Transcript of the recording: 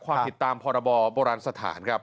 ความผิดตามพรบโบราณสถานครับ